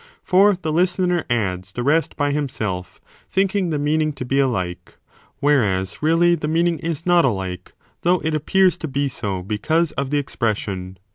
For the listener adds the rest by himself, thinking the meaning to be alike: whereas really the meaning is not alike, though it appears to be so because of the expression.